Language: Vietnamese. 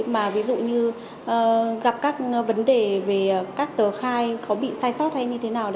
mà ví dụ như gặp các vấn đề về các tờ khai có bị sai sót hay như thế nào